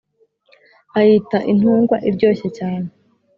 ayita intungwa iryoshye cyane